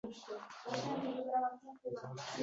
Patushin unga nisbatan g‘animlarcha munosabatda bo‘ldilar